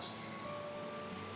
malah bikin kamu ga bisa konsentrasi